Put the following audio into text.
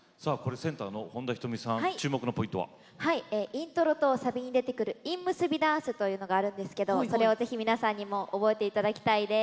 イントロとサビに出てくる印結びダンスというのがあるんですけどそれを是非皆さんにも覚えて頂きたいです。